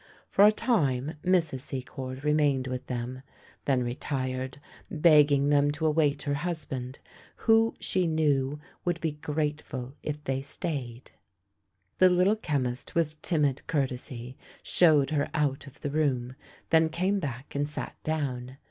For a time Mrs. Secord remained with them, then retired, begging them to await her husband, who, she knew, would be grateful if they stayed. The Little Chemist, with timid courtes} , showed her out of the room, then came back and sat down.